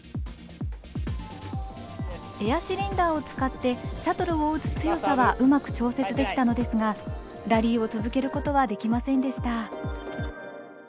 エアシリンダーを使ってシャトルを打つ強さはうまく調節できたのですがラリーを続けることはできませんでした。